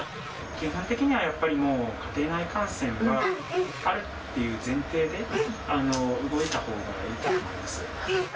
基本的にはやっぱり、家庭内感染はあるっていう前提で動いたほうがいいかと思います。